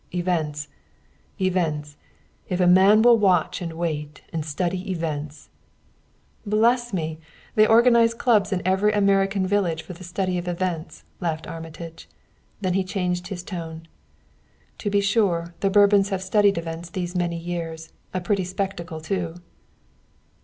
Events events if a man will watch and wait and study events " "Bless me! They organize clubs in every American village for the study of events," laughed Armitage; then he changed his tone. "To be sure, the Bourbons have studied events these many years a pretty spectacle, too."